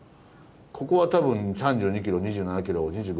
ここは多分３２キロ２７キロ２５キロ。